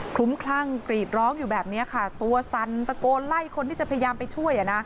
ลุ้มคลั่งกรีดร้องอยู่แบบนี้ค่ะตัวสั่นตะโกนไล่คนที่จะพยายามไปช่วย